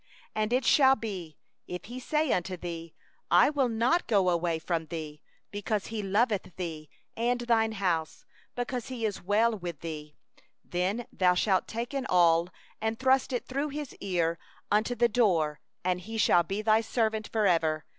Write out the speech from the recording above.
16And it shall be, if he say unto thee: 'I will not go out from thee'; because he loveth thee and thy house, because he fareth well with thee; 17then thou shalt take an awl, and thrust it through his ear and into the door, and he shall be thy bondman for ever.